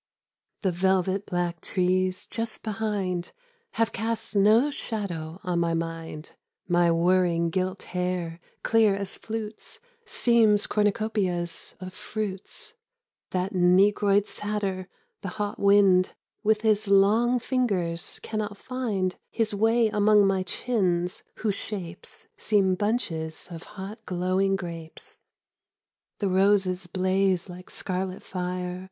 T^HE velvet black trees just behind •■■ Have cast no shadow on my mind ; My whirring gilt hair, clear as flutes, Seems cornucopias of fruits; That negroid satyr the hot wind With his long fingers cannot find His way among my chins, whose shapes Seem bunches of hot glowing grapes. — The roses blaze like scarlet fire.